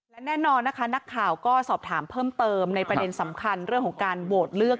และแน่นอนนะคะนักข่าวก็สอบถามเพิ่มเติมในประเด็นสำคัญเรื่องของการโหวตเลือก